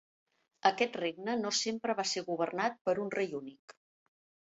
Aquest regne no sempre va ser governat per un rei únic.